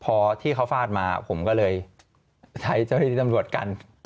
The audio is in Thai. พอที่เขาฟาดมาผมก็เลยใช้เจ้าที่ตำรวจกัน